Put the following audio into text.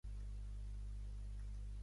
Primer escudelle i després, escure?